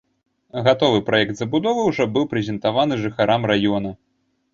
Гатовы праект забудовы ўжо быў прэзентаваны жыхарам раёна.